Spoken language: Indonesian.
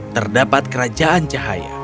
terdapat kerajaan cahaya